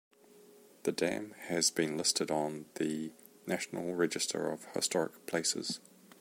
The dam has been listed on the National Register of Historic Places.